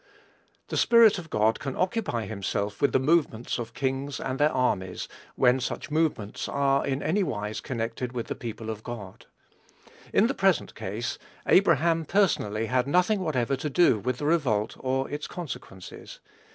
The Spirit of God can occupy himself with the movements of "kings and their armies," when such movements are in anywise connected with the people of God. In the present case, Abraham personally had nothing whatever to do with the revolt or its consequences.